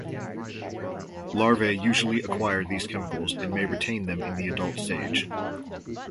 Larvae usually acquire these chemicals, and may retain them in the adult stage.